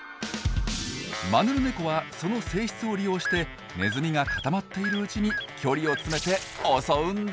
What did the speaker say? マヌルネコはその性質を利用してネズミが固まっているうちに距離を詰めて襲うんです。